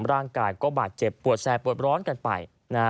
ร่างกายก็บาดเจ็บปวดแสบปวดร้อนกันไป